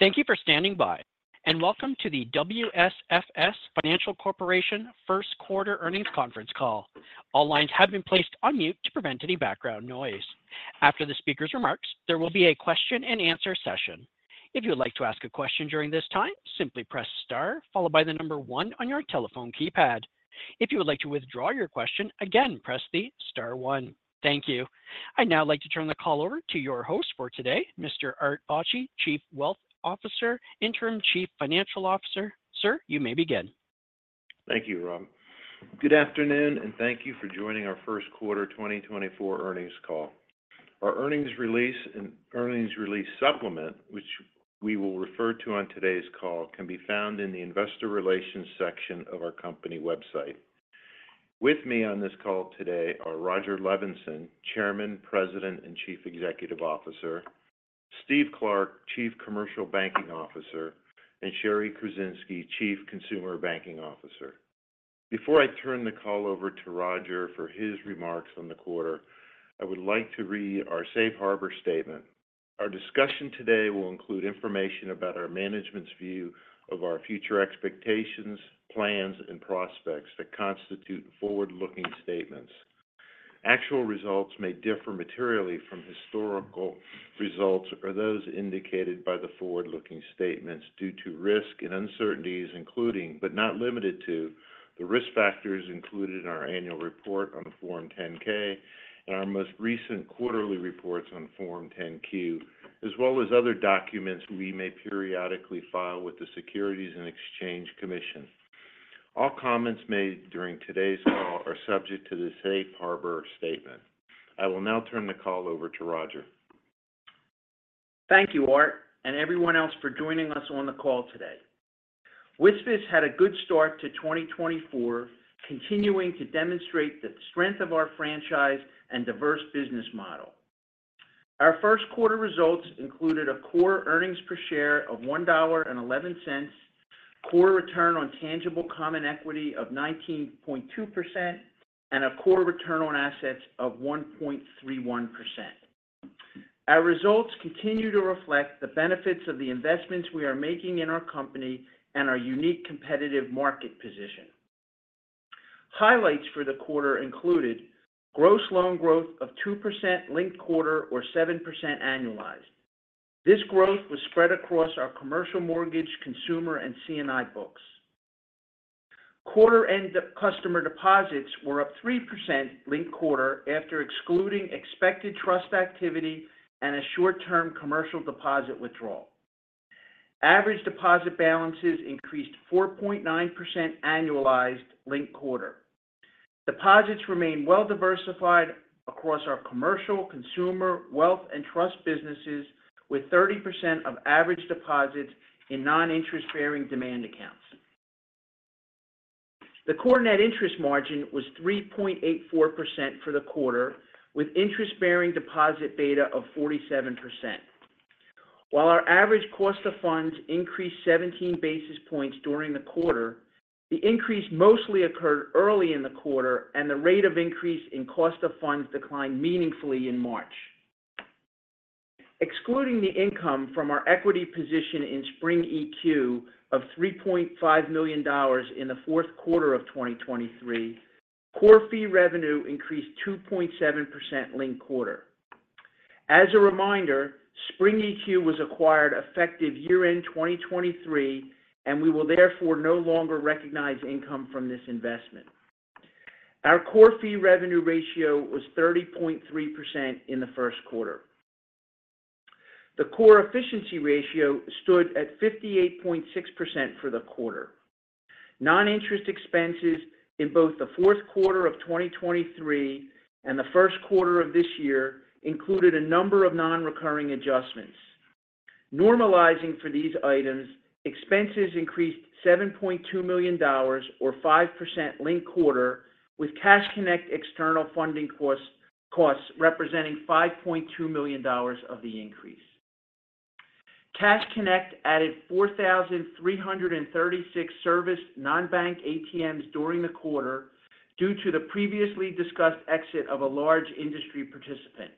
Thank you for standing by, and welcome to the WSFS Financial Corporation first quarter earnings conference call. All lines have been placed on mute to prevent any background noise. After the speaker's remarks, there will be a question-and-answer session. If you would like to ask a question during this time, simply press star followed by the number one on your telephone keypad. If you would like to withdraw your question, again, press the star one. Thank you. I'd now like to turn the call over to your host for today, Mr. Art Bacci, Chief Wealth Officer, Interim Chief Financial Officer. Sir, you may begin. Thank you, Rob. Good afternoon, and thank you for joining our first quarter 2024 earnings call. Our earnings release and earnings release supplement, which we will refer to on today's call, can be found in the Investor Relations section of our company website. With me on this call today are Rodger Levenson, Chairman, President, and Chief Executive Officer, Steve Clark, Chief Commercial Banking Officer, and Shari Kruzinski, Chief Consumer Banking Officer. Before I turn the call over to Rodger for his remarks on the quarter, I would like to read our safe harbor statement. Our discussion today will include information about our management's view of our future expectations, plans, and prospects that constitute forward-looking statements. Actual results may differ materially from historical results or those indicated by the forward-looking statements due to risk and uncertainties, including, but not limited to, the risk factors included in our annual report on the Form 10-K and our most recent quarterly reports on Form 10-Q, as well as other documents we may periodically file with the Securities and Exchange Commission. All comments made during today's call are subject to the Safe Harbor statement. I will now turn the call over to Rodger. Thank you, Art, and everyone else for joining us on the call today. WSFS had a good start to 2024, continuing to demonstrate the strength of our franchise and diverse business model. Our first quarter results included a core earnings per share of $1.11, core return on tangible common equity of 19.2%, and a core return on assets of 1.31%. Our results continue to reflect the benefits of the investments we are making in our company and our unique competitive market position. Highlights for the quarter included gross loan growth of 2% linked quarter or 7% annualized. This growth was spread across our commercial mortgage, consumer, and C&I books. Quarter end customer deposits were up 3% linked quarter after excluding expected trust activity and a short-term commercial deposit withdrawal. Average deposit balances increased 4.9% annualized linked quarter. Deposits remain well diversified across our commercial, consumer, wealth, and trust businesses, with 30% of average deposits in non-interest-bearing demand accounts. The core net interest margin was 3.84% for the quarter, with interest-bearing deposit beta of 47%. While our average cost of funds increased 17 basis points during the quarter, the increase mostly occurred early in the quarter, and the rate of increase in cost of funds declined meaningfully in March. Excluding the income from our equity position in Spring EQ of $3.5 million in the fourth quarter of 2023, core fee revenue increased 2.7% linked quarter. As a reminder, Spring EQ was acquired effective year-end 2023, and we will therefore no longer recognize income from this investment. Our core fee revenue ratio was 30.3% in the first quarter. The core efficiency ratio stood at 58.6% for the quarter. Non-interest expenses in both the fourth quarter of 2023 and the first quarter of this year included a number of non-recurring adjustments. Normalizing for these items, expenses increased $7.2 million or 5% linked quarter, with Cash Connect external funding costs, costs representing $5.2 million of the increase. Cash Connect added 4,336 serviced non-bank ATMs during the quarter due to the previously discussed exit of a large industry participant.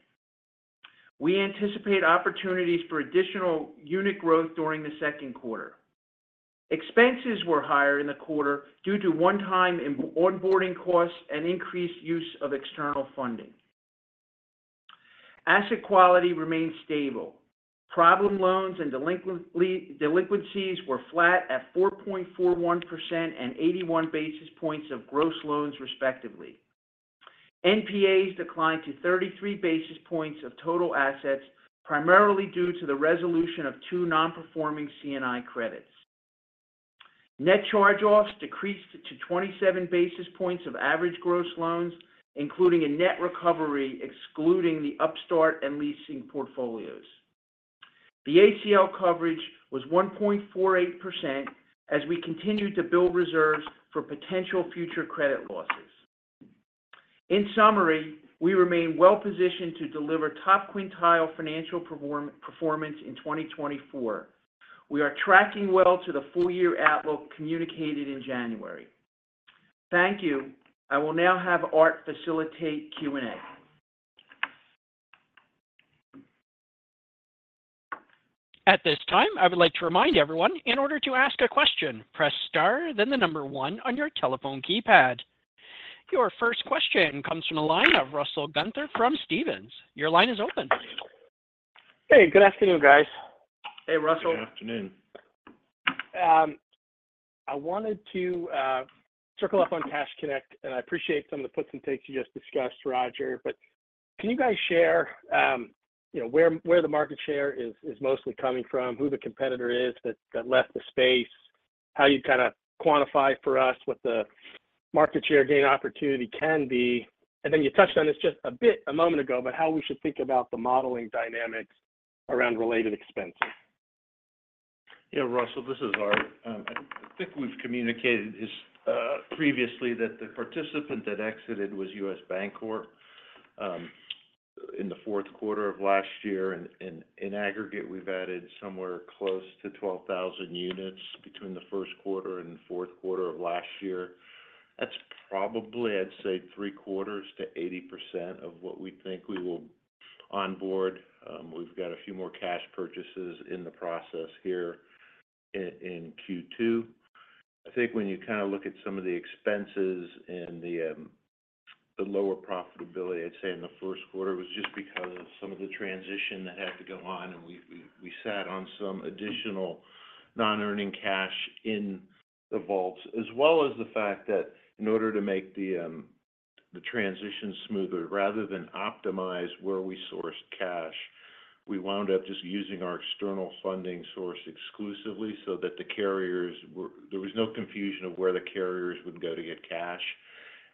We anticipate opportunities for additional unit growth during the second quarter. Expenses were higher in the quarter due to one-time onboarding costs and increased use of external funding. Asset quality remained stable. Problem loans and delinquency, delinquencies were flat at 4.41% and 81 basis points of gross loans, respectively. NPAs declined to 33 basis points of total assets, primarily due to the resolution of two non-performing C&I credits. Net charge-offs decreased to 27 basis points of average gross loans, including a net recovery, excluding the Upstart and leasing portfolios. The ACL coverage was 1.48% as we continued to build reserves for potential future credit losses. In summary, we remain well positioned to deliver top-quintile financial performance in 2024. We are tracking well to the full year outlook communicated in January. Thank you. I will now have Art facilitate Q&A. At this time, I would like to remind everyone, in order to ask a question, press star, then the number one on your telephone keypad. Your first question comes from the line of Russell Gunther from Stephens. Your line is open. Hey, good afternoon, guys. Hey, Russell. Good afternoon. I wanted to circle up on Cash Connect, and I appreciate some of the puts and takes you just discussed, Rodger. But can you guys share, you know, where the market share is mostly coming from, who the competitor is that left the space, how you kinda quantify for us what the market share gain opportunity can be? And then you touched on this just a bit a moment ago, but how we should think about the modeling dynamics around related expenses. Yeah, Russell, this is Art. I think we've communicated this previously, that the participant that exited was U.S. Bancorp in the fourth quarter of last year. In aggregate, we've added somewhere close to 12,000 units between the first quarter and the fourth quarter of last year. That's probably, I'd say, 75%-80% of what we think we will onboard. We've got a few more cash purchases in the process here in Q2. I think when you kind of look at some of the expenses and the, the lower profitability, I'd say in the first quarter, was just because of some of the transition that had to go on, and we sat on some additional non-earning cash in the vaults, as well as the fact that in order to make the, the transition smoother, rather than optimize where we sourced cash, we wound up just using our external funding source exclusively so that the carriers were, there was no confusion of where the carriers would go to get cash.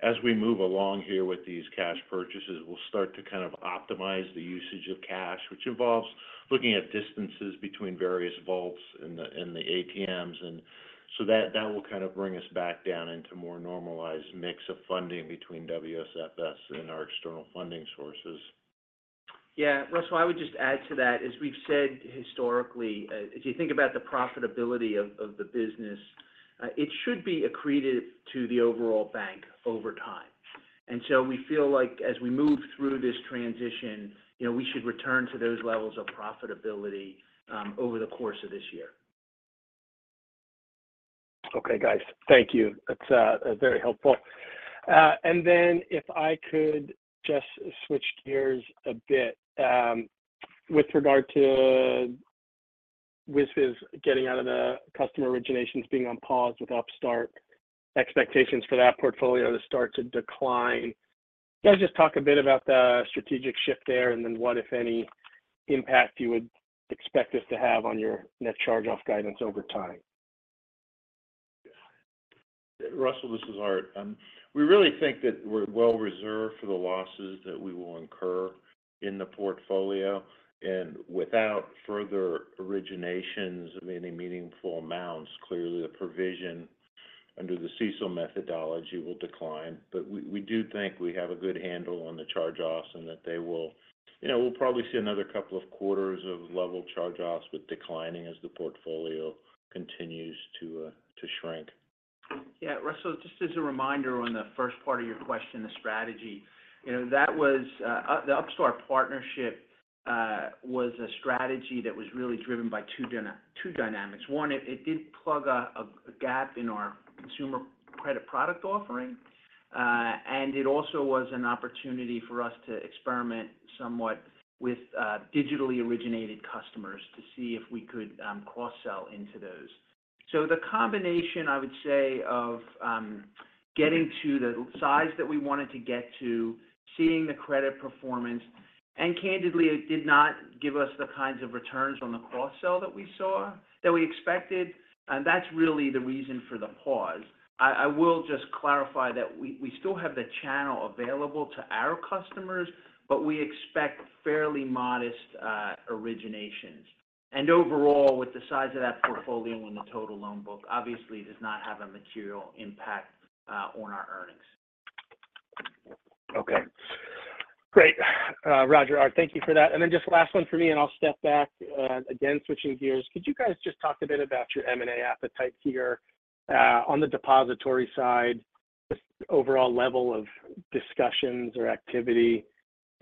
As we move along here with these cash purchases, we'll start to kind of optimize the usage of cash, which involves looking at distances between various vaults and the ATMs. So that will kind of bring us back down into more normalized mix of funding between WSFS and our external funding sources. Yeah, Russell, I would just add to that, as we've said historically, if you think about the profitability of, of the business, it should be accretive to the overall bank over time. And so we feel like as we move through this transition, you know, we should return to those levels of profitability, over the course of this year. Okay, guys. Thank you. That's very helpful. And then if I could just switch gears a bit, with regard to with this getting out of the customer originations being on pause with Upstart, expectations for that portfolio to start to decline. Can you just talk a bit about the strategic shift there, and then what, if any, impact you would expect this to have on your net charge-offs guidance over time? Russell, this is Art. We really think that we're well reserved for the losses that we will incur in the portfolio. And without further originations of any meaningful amounts, clearly, the provision under the CECL methodology will decline. But we, we do think we have a good handle on the charge-offs and that they will... You know, we'll probably see another couple of quarters of level charge-offs, but declining as the portfolio continues to, to shrink. Yeah, Russell, just as a reminder on the first part of your question, the strategy, you know, that was the Upstart partnership was a strategy that was really driven by two dynamics. One, it did plug a gap in our consumer credit product offering, and it also was an opportunity for us to experiment somewhat with digitally originated customers to see if we could cross-sell into those. So the combination, I would say, of getting to the size that we wanted to get to, seeing the credit performance, and candidly, it did not give us the kinds of returns on the cross-sell that we saw, that we expected, and that's really the reason for the pause. I will just clarify that we still have the channel available to our customers, but we expect fairly modest originations. And overall, with the size of that portfolio and the total loan book, obviously, it does not have a material impact on our earnings. Okay. Great. Rodger, Art, thank you for that. And then just last one for me, and I'll step back. Again, switching gears, could you guys just talk a bit about your M&A appetite here, on the depository side, just overall level of discussions or activity,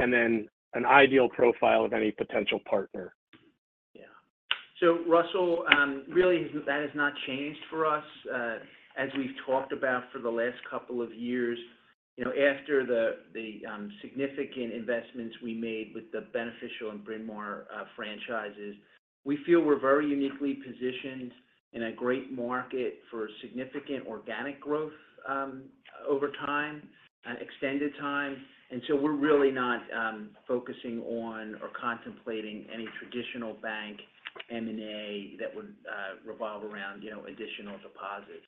and then an ideal profile of any potential partner? Yeah. So Russell, really, that has not changed for us. As we've talked about for the last couple of years, you know, after the significant investments we made with the Beneficial and Bryn Mawr franchises, we feel we're very uniquely positioned in a great market for significant organic growth over time, extended time. And so we're really not focusing on or contemplating any traditional bank M&A that would revolve around, you know, additional deposits.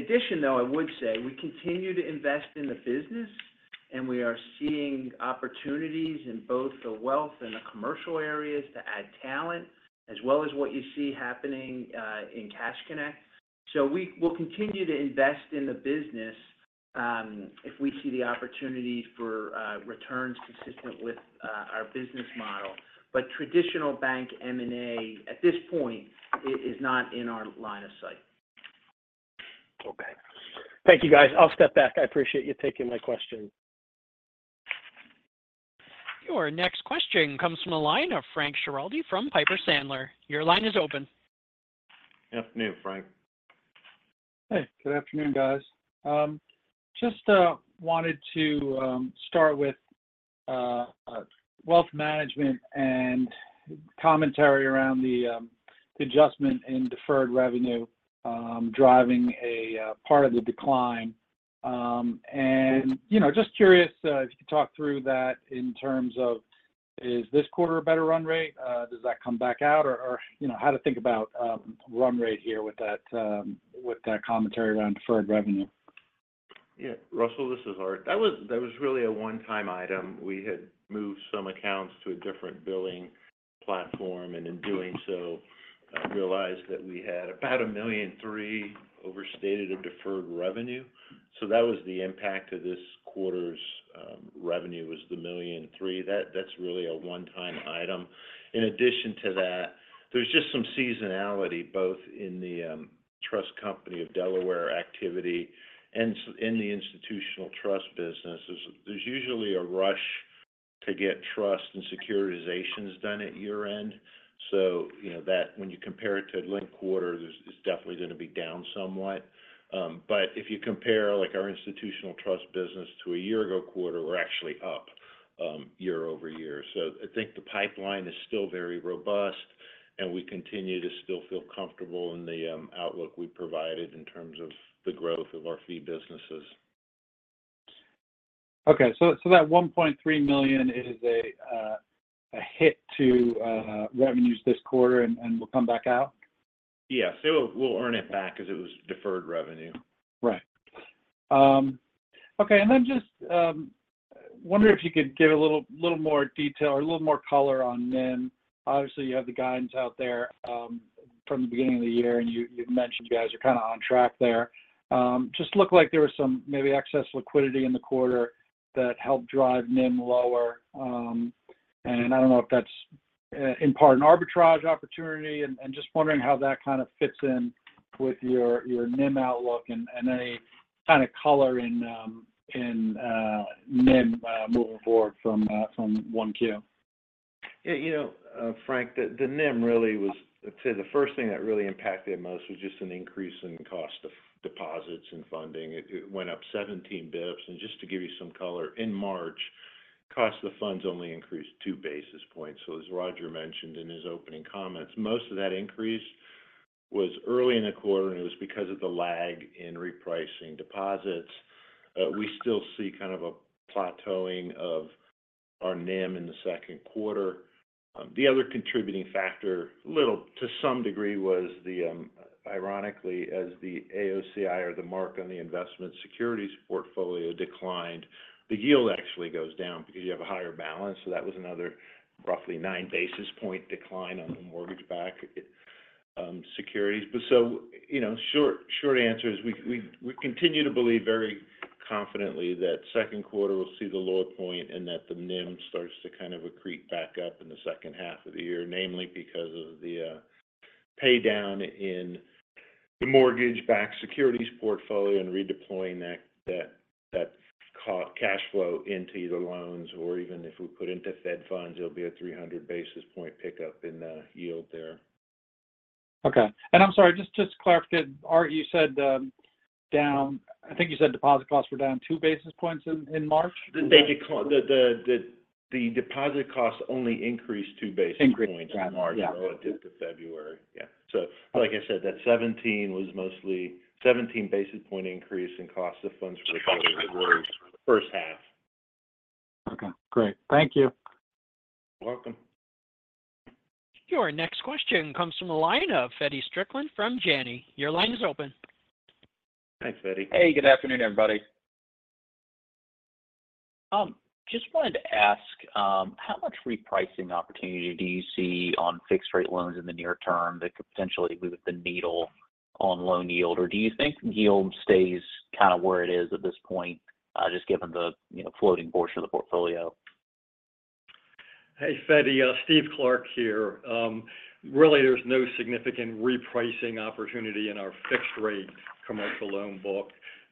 In addition, though, I would say we continue to invest in the business, and we are seeing opportunities in both the wealth and the commercial areas to add talent, as well as what you see happening in Cash Connect. So we will continue to invest in the business-... if we see the opportunity for returns consistent with our business model. But traditional bank M&A, at this point, is not in our line of sight. Okay. Thank you, guys. I'll step back. I appreciate you taking my question. Your next question comes from the line of Frank Schiraldi from Piper Sandler. Your line is open. Good afternoon, Frank. Hey, good afternoon, guys. Just wanted to start with wealth management and commentary around the adjustment in deferred revenue driving a part of the decline. And, you know, just curious if you could talk through that in terms of, is this quarter a better run rate? Does that come back out? Or, you know, how to think about run rate here with that commentary around deferred revenue. Yeah. Russell, this is Art. That was really a one-time item. We had moved some accounts to a different billing platform, and in doing so, realized that we had about $1.3 million overstated of deferred revenue. So that was the impact of this quarter's revenue, was the $1.3 million. That's really a one-time item. In addition to that, there's just some seasonality, both in the Trust Company of Delaware activity and in the institutional trust business. There's usually a rush to get trust and securitizations done at year-end, so you know, that when you compare it to linked quarter, it's definitely going to be down somewhat. But if you compare, like, our institutional trust business to a year ago quarter, we're actually up year-over-year. I think the pipeline is still very robust, and we continue to still feel comfortable in the outlook we provided in terms of the growth of our fee businesses. Okay. So that $1.3 million is a hit to revenues this quarter and will come back out? Yes. So we'll earn it back because it was deferred revenue. Right. Okay, and then just wondering if you could give a little, little more detail or a little more color on NIM. Obviously, you have the guidance out there from the beginning of the year, and you, you've mentioned you guys are kind of on track there. Just looked like there was some maybe excess liquidity in the quarter that helped drive NIM lower. And I don't know if that's in part an arbitrage opportunity, and just wondering how that kind of fits in with your, your NIM outlook and any kind of color in, in NIM moving forward from from 1Q. Yeah, you know, Frank, the NIM really was. I'd say the first thing that really impacted it most was just an increase in cost of deposits and funding. It went up 17 basis points. And just to give you some color, in March, cost of the funds only increased two basis points. So as Rodger mentioned in his opening comments, most of that increase was early in the quarter, and it was because of the lag in repricing deposits. We still see kind of a plateauing of our NIM in the second quarter. The other contributing factor, little to some degree, was the, ironically, as the AOCI or the mark on the investment securities portfolio declined, the yield actually goes down because you have a higher balance. So that was another roughly 9 basis point decline on the mortgage-backed securities. So, you know, short, short answer is we continue to believe very confidently that second quarter will see the lower point and that the NIM starts to kind of accrete back up in the second half of the year, namely because of the pay down in the mortgage-backed securities portfolio and redeploying that cash flow into either loans or even if we put into Fed funds, there'll be a 300 basis points pickup in the yield there. Okay. I'm sorry, just to clarify, Art, you said down—I think you said deposit costs were down two basis points in March? The deposit costs only increased two basis points. Increased, got it.... in March relative to February. Yeah. So like I said, that 17 was mostly 17 basis point increase in cost of funds for the first half. Okay, great. Thank you. You're welcome. Your next question comes from a line of Feddie Strickland from Janney. Your line is open. Thanks, Feddie. Hey, good afternoon, everybody. Just wanted to ask, how much repricing opportunity do you see on fixed-rate loans in the near term that could potentially move the needle on loan yield? Or do you think yield stays kind of where it is at this point, just given the, you know, floating portion of the portfolio? Hey, Feddie, Steve Clark here. Really, there's no significant repricing opportunity in our fixed rate commercial loan book.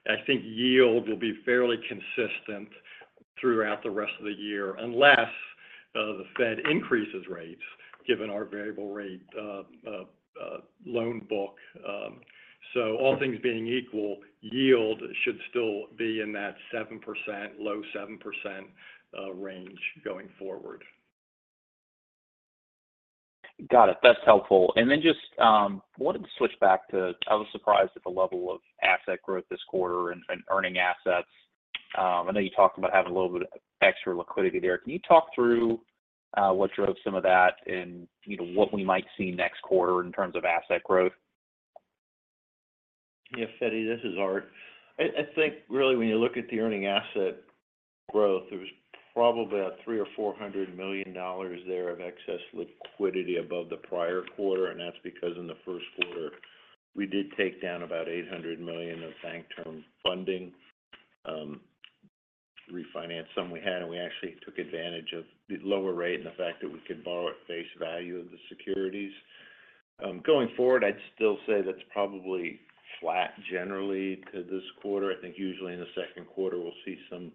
I think yield will be fairly consistent throughout the rest of the year, unless the Fed increases rates, given our variable rate loan book. So all things being equal, yield should still be in that 7%, low 7% range going forward. Got it. That's helpful. Then just wanted to switch back to... I was surprised at the level of asset growth this quarter and, and earning assets. I know you talked about having a little bit of extra liquidity there. Can you talk through what drove some of that and, you know, what we might see next quarter in terms of asset growth? Yeah, Feddie, this is Art. I think really when you look at the earning asset growth, there was probably about $300 million-$400 million there of excess liquidity above the prior quarter, and that's because in the first quarter, we did take down about $800 million of bank term funding, refinanced some we had, and we actually took advantage of the lower rate and the fact that we could borrow at face value of the securities. Going forward, I'd still say that's probably flat generally to this quarter. I think usually in the second quarter, we'll see some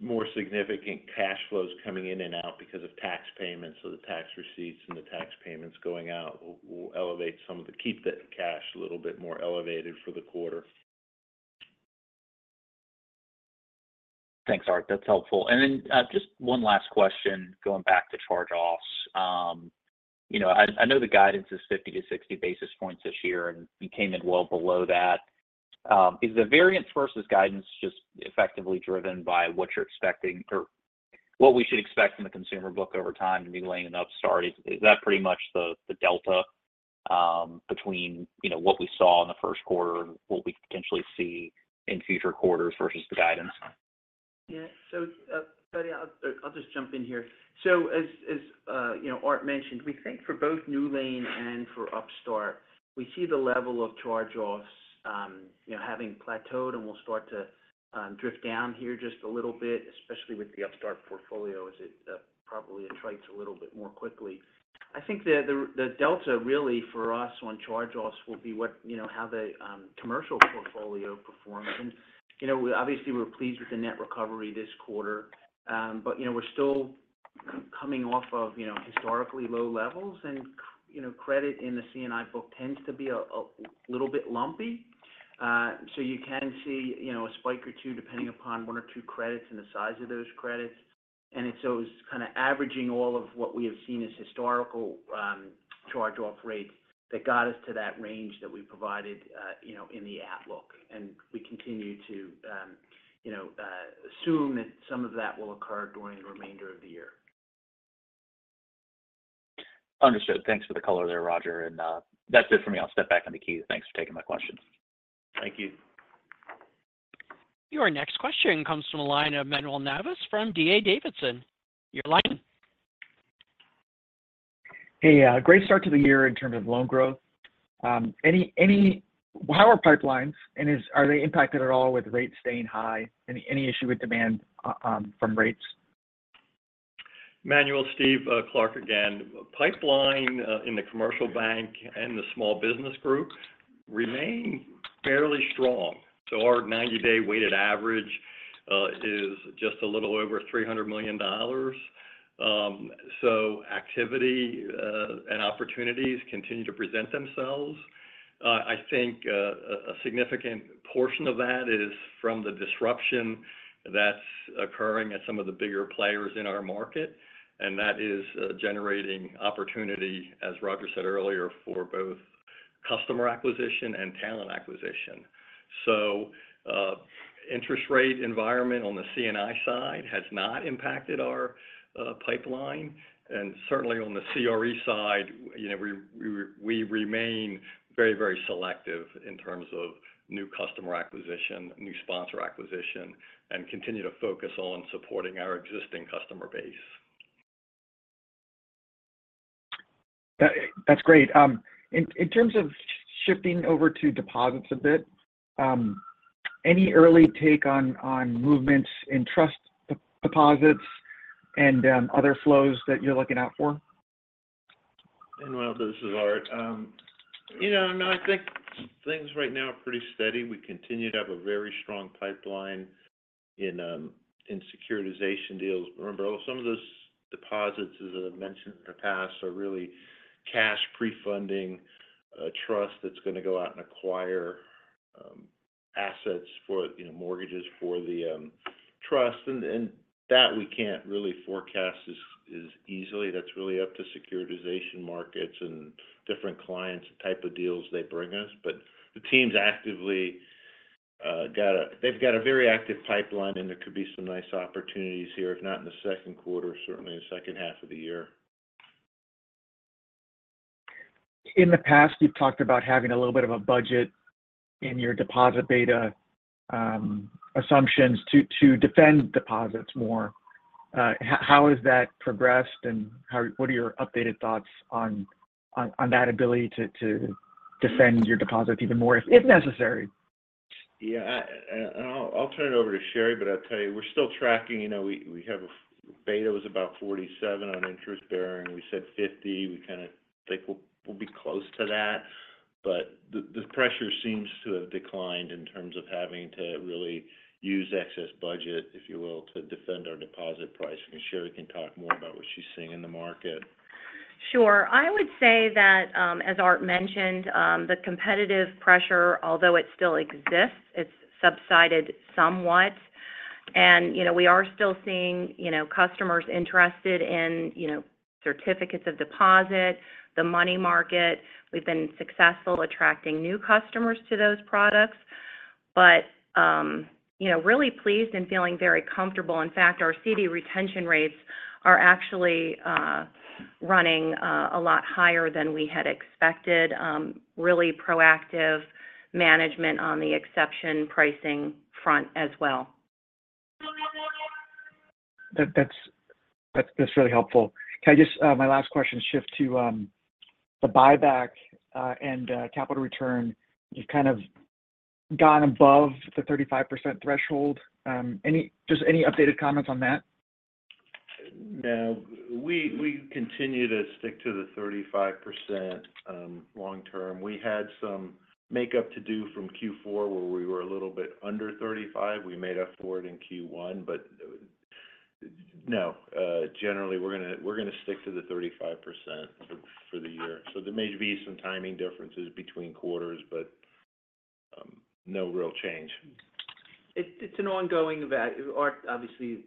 more significant cash flows coming in and out because of tax payments. So the tax receipts and the tax payments going out will elevate, keep the cash a little bit more elevated for the quarter. Thanks, Art. That's helpful. And then, just one last question, going back to charge-offs. You know, I know the guidance is 50-60 basis points this year, and you came in well below that. Is the variance versus guidance just effectively driven by what you're expecting or what we should expect from the consumer book over time to be lending on Upstart? Is that pretty much the delta between what we saw in the first quarter and what we potentially see in future quarters versus the guidance? Yeah. So, Feddie, I'll just jump in here. So as you know, Art mentioned, we think for both NewLane and for Upstart, we see the level of charge-offs you know having plateaued, and we'll start to drift down here just a little bit, especially with the Upstart portfolio, as it probably attrites a little bit more quickly. I think the delta really for us on charge-offs will be what you know how the commercial portfolio performs. And, you know, obviously, we're pleased with the net recovery this quarter. But, you know, we're still coming off of you know historically low levels, and you know credit in the C&I book tends to be a little bit lumpy. So you can see, you know, a spike or two, depending upon one or two credits and the size of those credits. So it's kind of averaging all of what we have seen as historical charge-off rates that got us to that range that we provided, you know, in the outlook. We continue to, you know, assume that some of that will occur during the remainder of the year. Understood. Thanks for the color there, Rodger, and that's it for me. I'll step back in the queue. Thanks for taking my questions. Thank you. Your next question comes from the line of Manuel Navas from D.A. Davidson. Your line. Hey, great start to the year in terms of loan growth. How are pipelines, and are they impacted at all with rates staying high? Any issue with demand from rates? Manuel, Steve Clark again. Pipeline in the commercial bank and the small business group remain fairly strong. So our 90-day weighted average is just a little over $300 million. So activity and opportunities continue to present themselves. I think a significant portion of that is from the disruption that's occurring at some of the bigger players in our market, and that is generating opportunity, as Roger said earlier, for both customer acquisition and talent acquisition. So interest rate environment on the C&I side has not impacted our pipeline, and certainly on the CRE side, you know, we, we, we remain very, very selective in terms of new customer acquisition, new sponsor acquisition, and continue to focus on supporting our existing customer base. That, that's great. In terms of shifting over to deposits a bit, any early take on movements in trust deposits and other flows that you're looking out for? Manuel, this is Art. You know, no, I think things right now are pretty steady. We continue to have a very strong pipeline in securitization deals. Remember, some of those deposits, as I've mentioned in the past, are really cash pre-funding a trust that's going to go out and acquire assets for, you know, mortgages for the trust. And that we can't really forecast as easily. That's really up to securitization markets and different clients, the type of deals they bring us. But the team's actively, they've got a very active pipeline, and there could be some nice opportunities here, if not in the second quarter, certainly in the second half of the year. In the past, you've talked about having a little bit of a budget in your deposit beta assumptions to defend deposits more. How has that progressed, and how—what are your updated thoughts on that ability to defend your deposits even more, if necessary? Yeah, and I'll turn it over to Shari, but I'll tell you, we're still tracking. You know, we have a beta was about 47 on interest bearing. We said 50. We kind of think we'll be close to that, but the pressure seems to have declined in terms of having to really use excess budget, if you will, to defend our deposit price. And Shari can talk more about what she's seeing in the market. Sure. I would say that, as Art mentioned, the competitive pressure, although it still exists, it's subsided somewhat. And, you know, we are still seeing, you know, customers interested in, you know, certificates of deposit, the money market. We've been successful attracting new customers to those products, but, you know, really pleased and feeling very comfortable. In fact, our CD retention rates-... are actually running a lot higher than we had expected. Really proactive management on the exception pricing front as well. That's really helpful. Can I just, my last question shift to the buyback and capital return? You've kind of gone above the 35% threshold. Just any updated comments on that? No, we continue to stick to the 35%, long term. We had some makeup to do from Q4, where we were a little bit under 35. We made up for it in Q1, but no, generally, we're gonna stick to the 35% for the year. So there may be some timing differences between quarters, but no real change. It's an ongoing evaluation, Art. Obviously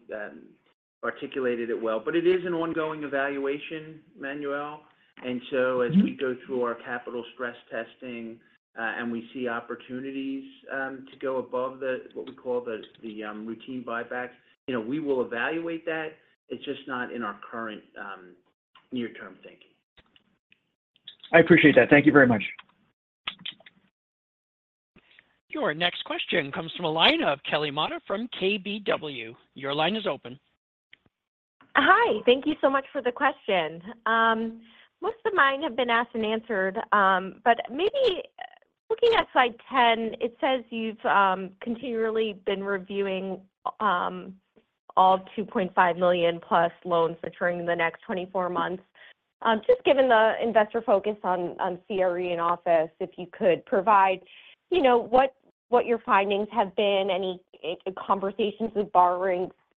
articulated it well, but it is an ongoing evaluation, Manuel. And so- Mm-hmm... as we go through our capital stress testing, and we see opportunities, to go above the, what we call the routine buybacks, you know, we will evaluate that. It's just not in our current, near-term thinking. I appreciate that. Thank you very much. Your next question comes from a line of Kelly Motta from KBW. Your line is open. Hi. Thank you so much for the question. Most of mine have been asked and answered, but maybe, looking at slide 10, it says you've continually been reviewing all 2.5 million plus loans maturing in the next 24 months. Just given the investor focus on CRE and office, if you could provide, you know, what, what your findings have been, any conversations with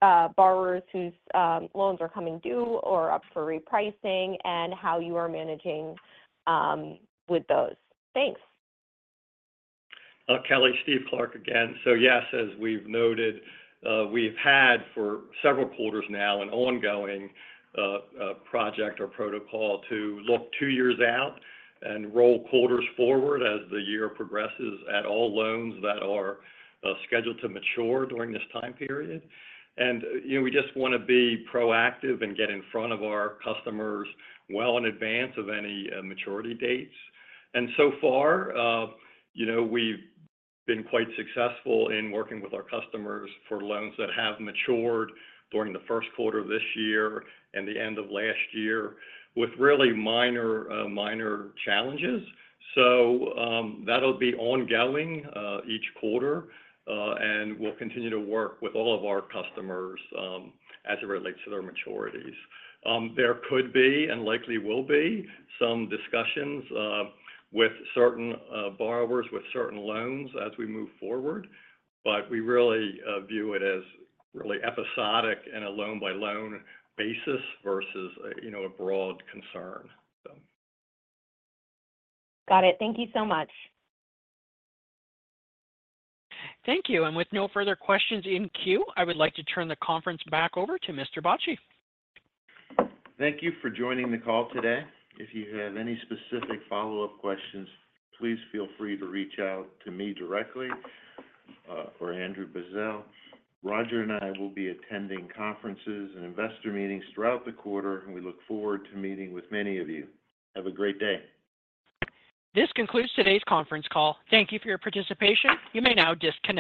borrowers whose loans are coming due or up for repricing, and how you are managing with those? Thanks. Kelly, Steve Clark again. So yes, as we've noted, we've had for several quarters now, an ongoing, project or protocol to look two years out and roll quarters forward as the year progresses at all loans that are, scheduled to mature during this time period. And, you know, we just wanna be proactive and get in front of our customers well in advance of any, maturity dates. And so far, you know, we've been quite successful in working with our customers for loans that have matured during the first quarter of this year and the end of last year with really minor, minor challenges. So, that'll be ongoing, each quarter, and we'll continue to work with all of our customers, as it relates to their maturities. There could be, and likely will be, some discussions with certain borrowers, with certain loans as we move forward, but we really view it as really episodic in a loan-by-loan basis versus, you know, a broad concern, so. Got it. Thank you so much. Thank you. With no further questions in queue, I would like to turn the conference back over to Mr. Bacci. Thank you for joining the call today. If you have any specific follow-up questions, please feel free to reach out to me directly, or Andrew Basile. Rodger and I will be attending conferences and investor meetings throughout the quarter, and we look forward to meeting with many of you. Have a great day. This concludes today's conference call. Thank you for your participation. You may now disconnect.